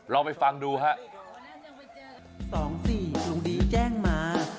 เราไปฟังดูค่ะสองสี่คงได้แจ้งมา